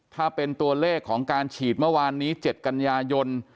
ถ้าเป็นตัวเลขของการฉีดเมื่อวานนี้๗กันยายน